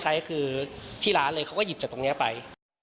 นี่คุณตูนอายุ๓๗ปีนะครับ